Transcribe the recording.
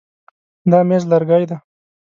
دا مېز لرګی دی.